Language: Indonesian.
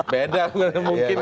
beda beda dengan mungkin ya